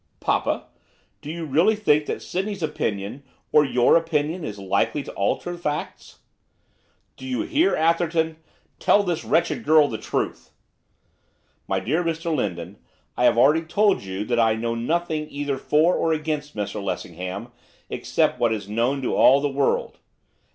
'Papa! Do you really think that Sydney's opinion, or your opinion, is likely to alter facts?' 'Do you hear, Atherton, tell this wretched girl the truth!' 'My dear Mr Lindon, I have already told you that I know nothing either for or against Mr Lessingham except what is known to all the world.